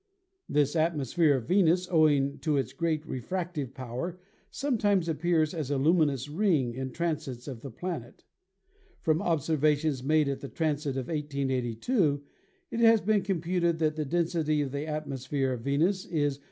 This atmosphere of Venus, owing to its great refractive power, sometimes appears as a luminous ring in transits of the planet. From observations made at the transit of 1882 it has been computed that the density of the atmosphere of Venus is 1.